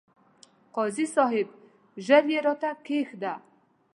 قاضي صاحب! ژر يې راته کښېږده ،